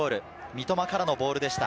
三笘からのボールでした。